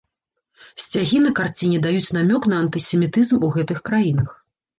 Сцягі на карціне даюць намёк на антысемітызм у гэтых краінах.